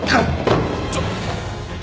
ちょっと！